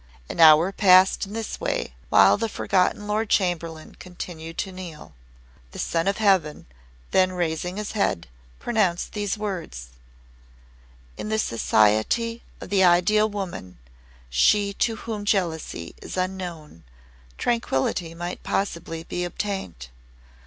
An hour passed in this way while the forgotten Lord Chamberlain continued to kneel. The Son of Heaven, then raising his head, pronounced these words: "In the society of the Ideal Woman, she to whom jealousy is unknown, tranquillity might possibly be obtained.